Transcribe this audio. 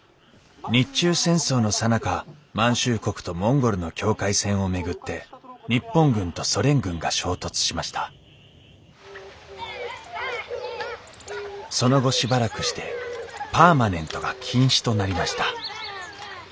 日中戦争のさなか満州国とモンゴルの境界線を巡って日本軍とソ連軍が衝突しましたその後しばらくしてパーマネントが禁止となりました